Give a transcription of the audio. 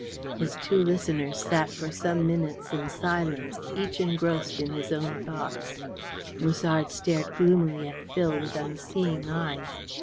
His two listeners sat for some minutes in silence, each engrossed in his own thoughts. Musard stared gloomily at Phil with unseeing eyes.